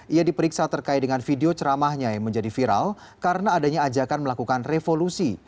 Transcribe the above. ia diperiksa terkait dengan video ceramahnya yang menjadi viral karena adanya ajakan melakukan revolusi